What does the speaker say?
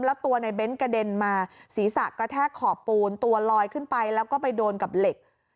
แล้วตัวในเบ้นกระเด็นมาศีรษะกระแทกขอบปูนตัวลอยขึ้นไปแล้วก็ไปโดนกับเหล็ก